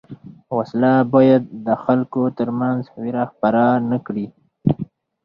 وسله باید د خلکو تر منځ وېره خپره نه کړي